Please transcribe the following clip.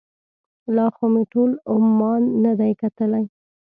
لا خو مې ټول عمان نه دی کتلی.